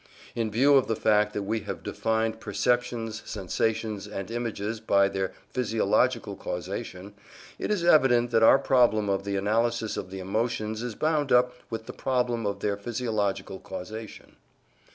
In view of the fact that we have defined perceptions, sensations, and images by their physiological causation, it is evident that our problem of the analysis of the emotions is bound up with the problem of their physiological causation.